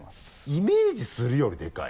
イメージするよりでかい？